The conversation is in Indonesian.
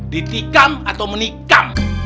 ditikam atau menikam